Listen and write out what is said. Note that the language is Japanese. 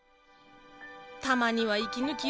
「たまには息抜きを」